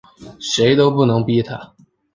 谁都不能逼他